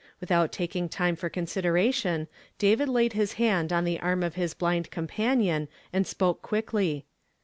Without taking time for con sideration, David laid his hand on the arm of his blind companion and spoke quickly.